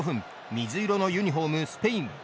水色のユニホーム、スペイン。